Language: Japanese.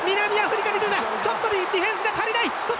ちょっとディフェンスが足りない。